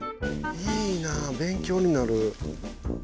いいなぁ勉強になる。